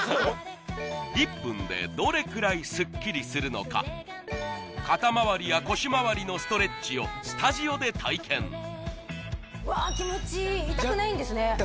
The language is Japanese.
１分でどれくらいスッキリするのか肩まわりや腰まわりのストレッチをスタジオで体験うわ気持ちいい痛くないんですね